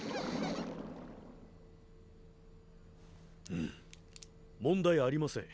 うん問題ありません。